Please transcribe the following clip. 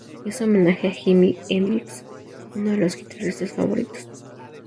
Es un homenaje a Jimi Hendrix, uno de sus guitarristas favoritos.